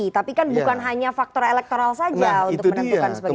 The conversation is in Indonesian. tapi kan bukan hanya faktor elektoral saja untuk menentukan sebagainya